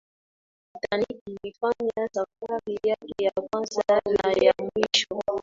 titanic ilifanya safari yake ya kwanza na ya mwisho